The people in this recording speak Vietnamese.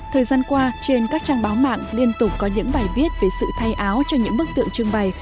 thời gian qua trên các trang báo mạng liên tục có những bài viết về sự thay áo cho những bức tượng trưng bày